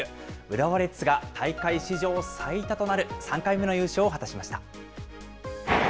浦和レッズが大会史上最多となる、３回目の優勝を果たしました。